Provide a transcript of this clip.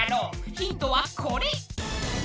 ヒントはこれ！